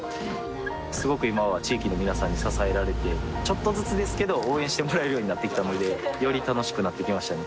すごく今は地域の皆さんに支えられてちょっとずつですけど応援してもらえるようになってきたのでより楽しくなってきましたね